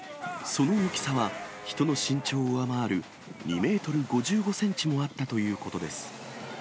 その大きさは、人の身長を上回る２メートル５５センチもあったということです。